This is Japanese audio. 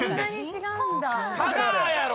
香川やろ！